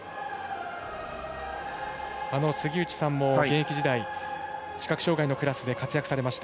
杉内さんも現役時代視覚障がいのクラスで活躍されました。